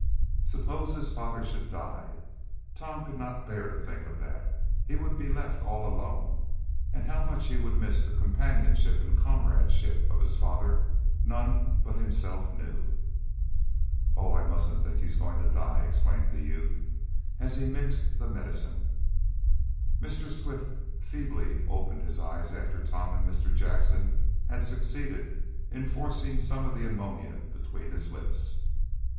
Suppose his father should die? Tom could not bear to think of that. He would be left all alone, and how much he would miss the companionship and comradeship of his father none but himself knew. "Oh! but I mustn't think he's going to die!" exclaimed the youth, as he mixed the medicine. Mr. Swift feebly opened his eyes after Tom and Mr. Jackson had succeeded in forcing some of the ammonia between his lips.